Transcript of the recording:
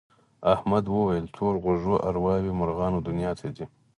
احمد وویل تور غوږو ارواوې مرغانو دنیا ته ځي.